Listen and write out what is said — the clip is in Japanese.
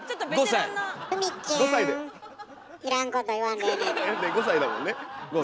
５歳だもんね？